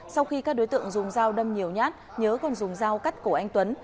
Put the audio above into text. sau khi các đối tượng dùng dao đâm nhiều nhát nhớ còn dùng dao cắt cổ anh tuấn